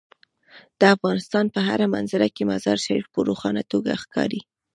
د افغانستان په هره منظره کې مزارشریف په روښانه توګه ښکاري.